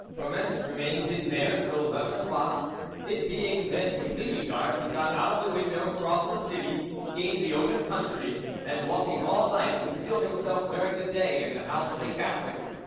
Froment remained hidden there until eleven o'clock. It being then completely dark, he got out of the window, crossed the city, gained the open country, and walking all night, concealed himself during the day in the house of a Catholic.